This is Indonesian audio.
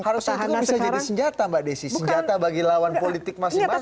harusnya bisa jadi senjata mbak desi senjata bagi lawan politik masing masing